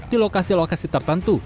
di lokasi lokasi tertentu